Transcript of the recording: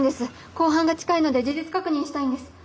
公判が近いので事実確認したいんです。